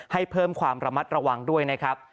ให้เพิ่มความระมัดระวังด้วยนะครับ